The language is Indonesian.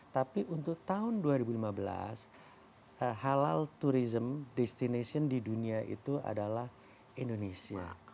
tapi untuk tahun dua ribu lima belas halal tourism destination di dunia itu adalah indonesia